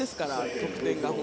得点が。